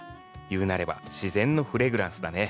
言うなれば自然のフレグランスだね。